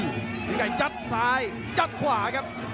ฤทธิไกรจัดซ้ายจัดขวาครับ